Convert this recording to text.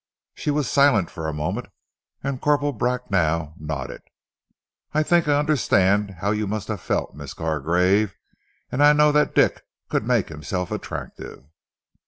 She was silent for a moment, and Corporal Bracknell nodded. "I think I understand how you must have felt, Miss Gargrave, and I know that Dick could make himself attractive."